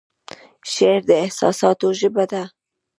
شعر د احساساتو ژبه ده